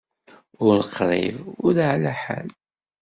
Ur qṛib, ur ɛla ḥal!